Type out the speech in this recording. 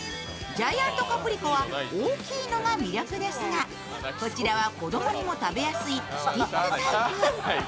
ジャイアントカプリコは大きいのが魅力ですが、こちらは子供にも食べやすいスティックタイプ。